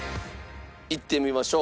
いってみましょう。